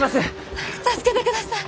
助けてください！